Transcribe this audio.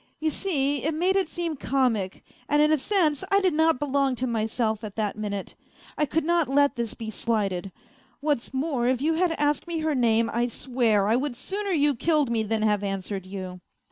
" You see, it made it seem comic : and in a sense I did not belong to myself at that minute. I could not let this be slighted. .. What's more, if you had A FAINT HEART 169 asked me her name, I swear, I would sooner you killed me than have answered you."